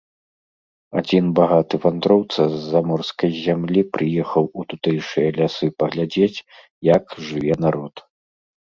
Адзін багаты вандроўца з заморскай зямлі прыехаў у тутэйшыя лясы паглядзець, як жыве народ.